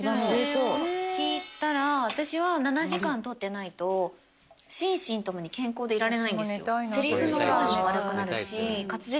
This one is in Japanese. それを聞いたら私は７時間取ってないと心身ともに健康でいられないんですよ。